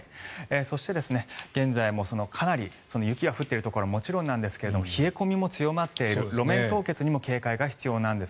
そして、現在もかなり雪が降っているところももちろんなんですが冷え込みも強まっている路面凍結にも警戒が必要なんです。